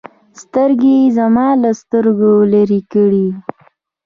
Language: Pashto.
سترګې يې زما له سترګو لرې كړې.